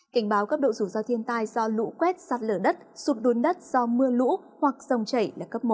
cảnh báo cấp độ rủi ro thiên tai do lụ quét sạt lở đất sụt đuôn đất do mưa lũ hoặc sông chảy là cấp một